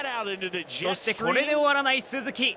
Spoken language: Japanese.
そしてこれで終わらない鈴木。